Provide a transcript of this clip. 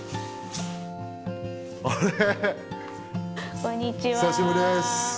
あれ⁉・こんにちは・久しぶりです。